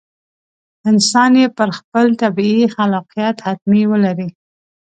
انسان یې پر خپل طبیعي خلاقیت حتمي ولري.